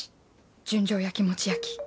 純情やきもちやき。